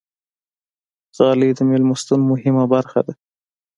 غالۍ د میلمستون مهمه برخه ده.